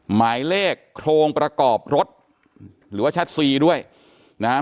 หมายเลขโครงประกอบรถหรือว่าแชทซีด้วยนะฮะ